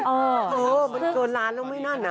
โอ้โฮมันเกินล้านแล้วไม่นานนะ